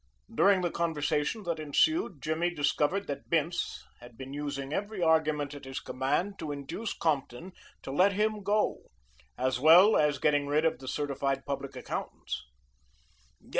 During the conversation that ensued Jimmy discovered that Bince had been using every argument at his command to induce Compton to let him go, as well as getting rid of the certified public accountants.